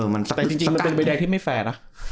แต่จริงมันเป็นใบแดงที่ไม่แฟร์นะ